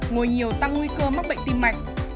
ngồi nhiều tăng nguy cơ mắc bệnh tim mạnh